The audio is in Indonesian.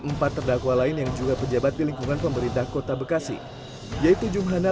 empat terdakwa lain yang juga pejabat di lingkungan pemerintah kota bekasi yaitu jumhana